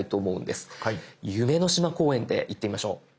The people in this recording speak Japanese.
夢の島公園でいってみましょう。